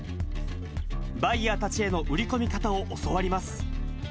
バイヤーたちへの売り込み方を教わります。